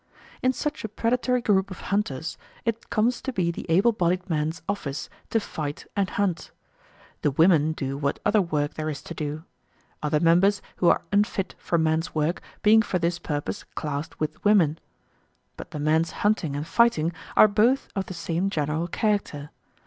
In such a predatory group of hunters it comes to be the able bodied men's office to fight and hunt. The women do what other work there is to do other members who are unfit for man's work being for this purpose classed with women. But the men's hunting and fighting are both of the same general character.